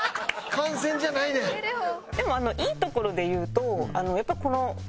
でもいいところで言うとやっぱりこの。